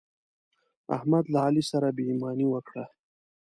احمد له علي سره بې ايماني وکړه.